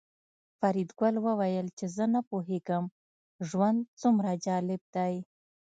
فریدګل وویل چې زه نه پوهېږم ژوند څومره جالب دی